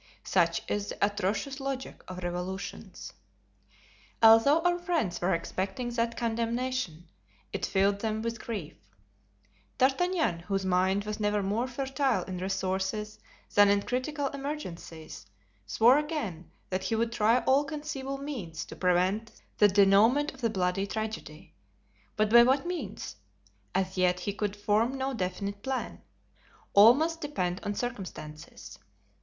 Such is the atrocious logic of revolutions. Although our friends were expecting that condemnation, it filled them with grief. D'Artagnan, whose mind was never more fertile in resources than in critical emergencies, swore again that he would try all conceivable means to prevent the dénouement of the bloody tragedy. But by what means? As yet he could form no definite plan; all must depend on circumstances.